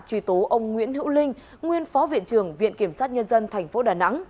truy tố ông nguyễn hữu linh nguyên phó viện trưởng viện kiểm sát nhân dân tp đà nẵng